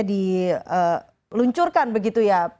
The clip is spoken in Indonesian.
diluncurkan begitu ya